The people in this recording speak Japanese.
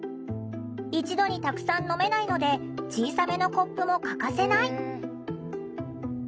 一度にたくさん飲めないので小さめのコップも欠かせない。